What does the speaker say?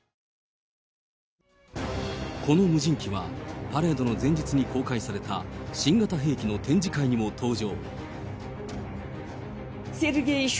この無人機は、パレードの前日に公開された新型兵器の展示会にも登場。